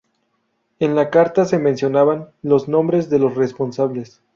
En la carta se mencionaban los nombres de los responsables.